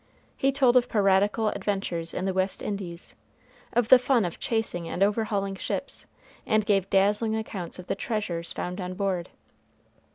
He told of piratical adventures in the West Indies, of the fun of chasing and overhauling ships, and gave dazzling accounts of the treasures found on board.